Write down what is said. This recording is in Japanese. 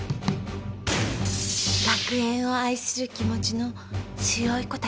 学園を愛する気持ちの強い子たちね。